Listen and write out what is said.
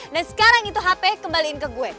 dan sekarang itu hp kembaliin ke gue